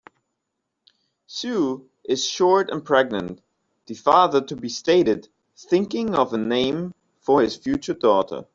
"Sue is short and pregnant", the father-to-be stated, thinking of a name for his future daughter.